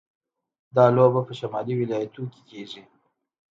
دا لوبه په شمالي ولایتونو کې کیږي.